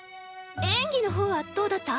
演技の方はどうだった？